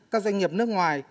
các doanh nghiệp nước ngoài